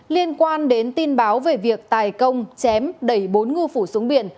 liên quan đến tin báo về việc tài công chém đẩy bốn ngư phủ xuống biển